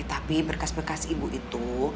tapi berkas berkas ibu itu